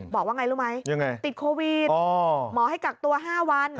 บอกว่าไงรู้ไหมติดโควิดหมอให้กักตัว๕วัน